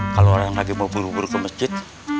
kalau orang lagi mau buru buru ke masjid